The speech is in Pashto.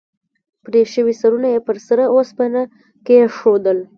پرې شوي سرونه یې پر سره اوسپنه کېښودل.